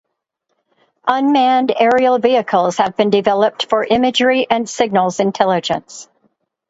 Unmanned aerial vehicles have been developed for imagery and signals intelligence.